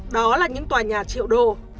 đó là những tòa nhà triệu đô